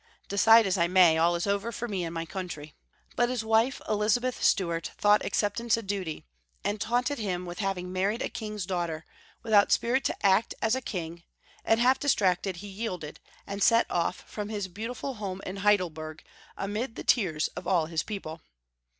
Decide as I maj^ all is over for me and my country." But his wife, Elizabeth Stewart, thought acceptance a duty, and taunted him with having married a king's daughter without spirit to act as a king, and, half distracted, he yielded, and set off from his beautiful home in Heidelberg amid the tears of all his people.